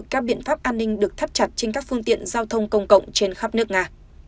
các biện pháp an ninh được thắt chặt trên các phương tiện giao thông công cộng trên khắp nước nga